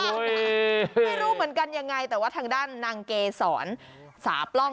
ไม่รู้เหมือนกันยังไงแต่ว่าทางด้านนางเกษรสาปล้อง